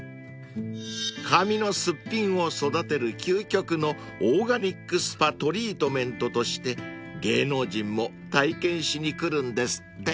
［髪のすっぴんを育てる究極のオーガニックスパトリートメントとして芸能人も体験しに来るんですって］